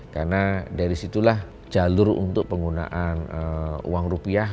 karena dari situlah jalur untuk penggunaan uang rupiah